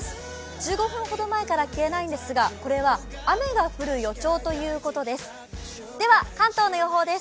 １５分ほど前から消えないんですがこれは雨が降る予兆ということです。